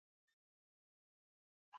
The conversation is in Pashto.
غوتفریډ لایبینټس والي ته عریضه ولیکله.